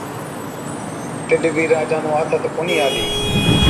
تِڏ بِي راجا نُون آٿت ڪونهِي آلِي۔